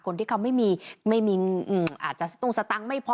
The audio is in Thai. คนที่เขาไม่มีไม่มีอาจจะสตุ้งสตังค์ไม่พอ